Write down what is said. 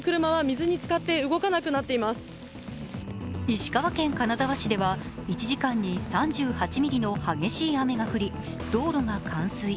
石川県金沢市では１時間に３８ミリの激しい雨が降り道路が冠水。